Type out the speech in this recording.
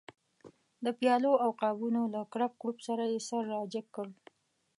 د پیالو او قابونو له کړپ کړوپ سره یې سر را جګ کړ.